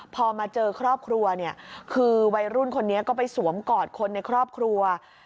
พอมาเจอครอบครัวเนี่ยคือวัยรุ่นคนนี้ก็ไปสวมกอดคนในครอบครัว